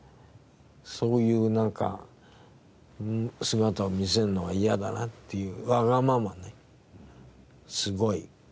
そういうなんか姿を見せるのが嫌だなっていうわがままねすごい。